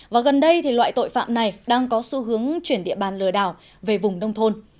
và gần đây loại tội phạm này đang có xu hướng chuyển địa bàn lừa đảo về vùng nông thôn